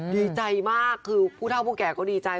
ดีใจมากคือผู้เท่าผู้แก่ก็ดีใจ